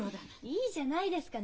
いいじゃないですか。